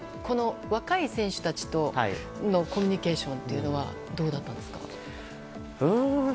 若い選手たちとのコミュニケーションというのはどうだったんですか。